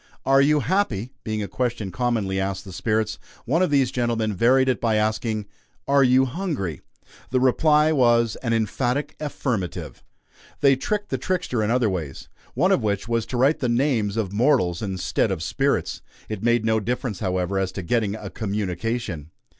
"Are you happy?" being a question commonly asked the "spirits," one of these gentlemen varied it by asking: "Are you hungry?" The reply was, an emphatic affirmative. They tricked the trickster in other ways; one of which was to write the names of mortals instead of spirits. It made no difference, however, as to getting a "communication."